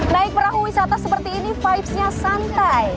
naik perahu wisata seperti ini vibesnya santai